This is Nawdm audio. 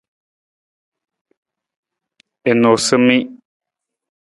I noosa i min.